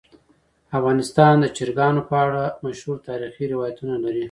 افغانستان د چرګان په اړه مشهور تاریخی روایتونه لري.